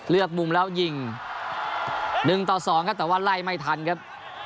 มุมแล้วยิง๑ต่อ๒ครับแต่ว่าไล่ไม่ทันครับ